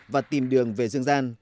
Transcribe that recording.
và tìm đường về dương gian